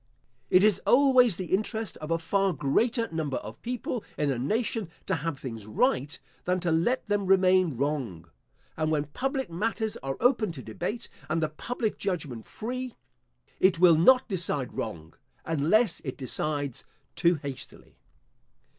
It is always the interest of a far greater number of people in a nation to have things right, than to let them remain wrong; and when public matters are open to debate, and the public judgment free, it will not decide wrong, unless it decides too hastily.